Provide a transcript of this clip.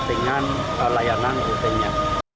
dengan layanan utuhnya